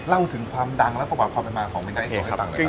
เล่าถึงความดังและประกอบความประมาณของเมนเย้อิตโตให้ฟังเลยครับ